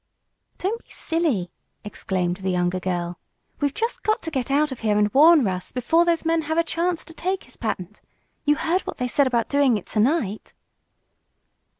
"Don't be silly!" exclaimed the younger girl. "We've just got to get out of here and warn Russ before those men have a chance to take his patent. You heard what they said about doing it to night!"